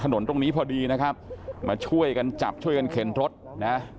ถนนตรงนี้พอดีนะครับมาช่วยกันจับช่วยกันเข็นรถนะ